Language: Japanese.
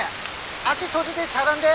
足閉じてしゃがんで。